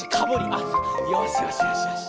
あっよしよしよしよし。